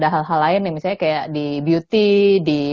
hal hal lain nih misalnya kayak di beauty di